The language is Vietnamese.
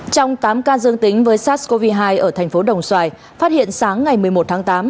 trong tám ca dương tính với sars cov hai ở thành phố đồng xoài phát hiện sáng ngày một mươi một tháng tám